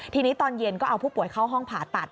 ทีนี้ตอนเย็นก็เอาผู้ป่วยเข้าห้องผ่าตัด